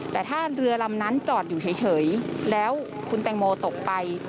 แต่ถ้าเรือลำนั้นจอดอยู่เฉยแล้วคุณแตงโมตกไป